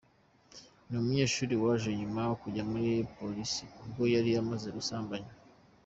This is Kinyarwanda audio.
Ni umunyeshuri waje nyuma kujya kuri polisi ubwo yari amaze gusambanywa.